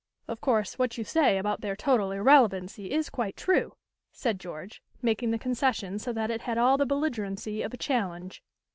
"Of course, what you say about their total irrelevancy is quite true," said George, making the concession so that it had all the belligerency of a challenge.